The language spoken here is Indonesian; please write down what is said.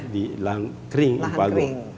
di lahan kering